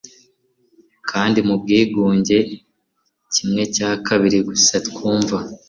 kandi, mu bwigunge, kimwe cya kabiri gusa twumva